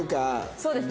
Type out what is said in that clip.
そうですね。